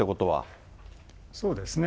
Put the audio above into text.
そうですね。